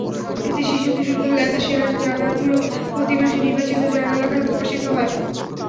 এতে শিশু–কিশোরদের লেখা সেরা জার্নালগুলো প্রতি মাসে নির্বাচিত জার্নাল আকারে প্রকাশিত হবে।